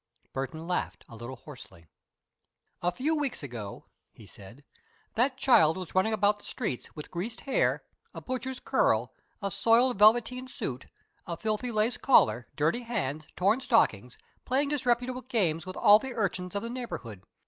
Burton laughed, a little hoarsely. "A few weeks ago," he said, "that boy was running about the streets with greased hair, a butcher's curl, a soiled velveteen suit, a filthy lace collar, dirty hands, torn stockings, playing disreputable games with all the urchins of the neighborhood.